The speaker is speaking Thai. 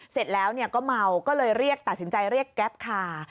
เสร็จแล้วก็เมาก็เลยตัดสินใจเรียกกราฟคาร์